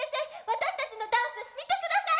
私たちのダンス見てください！